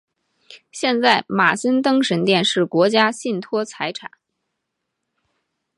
现在马森登神殿是国家信托财产。